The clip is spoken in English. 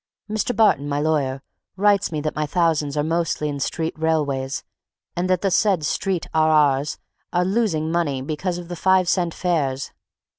Mr. Barton, my lawyer, writes me that my thousands are mostly in street railways and that the said Street R.R. s are losing money because of the five cent fares.